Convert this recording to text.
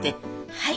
はい。